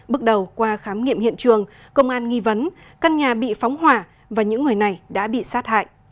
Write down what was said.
bước đầu qua khám nghiệm hiện trường công an nghi vấn căn nhà bị phóng hỏa và những người này đã bị sát hại